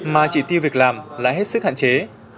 mà chỉ tiêu việc làm lại hết sức hạn chế